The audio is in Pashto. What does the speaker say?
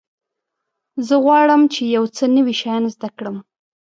زه غواړم چې یو څه نوي شیان زده کړم.